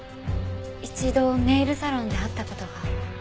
一度ネイルサロンで会った事が。